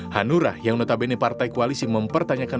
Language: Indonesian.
hanura yang notabene partai koalisi mempertanyakan